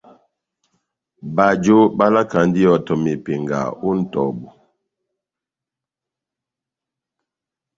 Bajo balakandi ihɔtɔ mepenga ó nʼtɔbu.